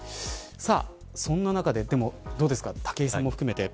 そんな中で、でもどうですか武井さんも含めて